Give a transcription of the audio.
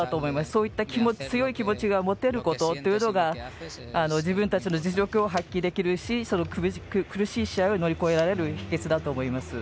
そういった強い気持ちを持てることが自分たちの実力を発揮できるし苦しい試合を乗り越えられる秘けつだと思います。